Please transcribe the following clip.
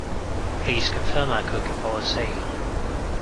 Please confirm our cookie policy.